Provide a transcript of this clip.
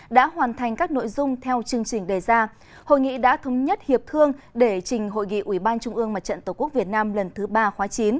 đã hoàn thành các nội dung theo chương trình đề ra hội nghị đã thống nhất hiệp thương để trình hội nghị ủy ban trung ương mặt trận tổ quốc việt nam lần thứ ba khóa chín